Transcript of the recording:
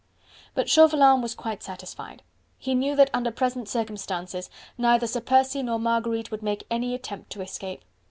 But Chauvelin was quite satisfied. He knew that under present circumstances neither Sir Percy nor Marguerite would make any attempt to escape.